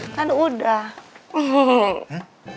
hatinya papa kan udah diamin mama